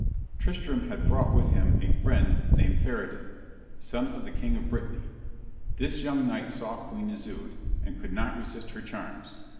Tristram had brought with him a friend named Pheredin, son of the king of Brittany. This young knight saw Queen Isoude, and could not resist her charms.